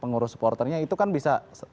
pengurus supporternya itu kan bisa